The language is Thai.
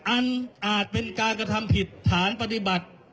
อาจเป็นการกระทำผิดฐานปฏิบัติ